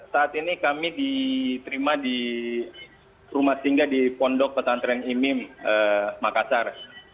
saat ini kami diterima di rumah singgah di pondok pesantren imim makassar